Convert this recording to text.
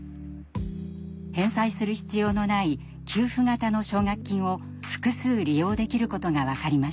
返済する必要のない給付型の奨学金を複数利用できることが分かりました。